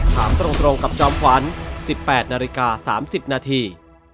ถามตรงกับจอมขวัญ๑๘นาฬิกา๓๐นาที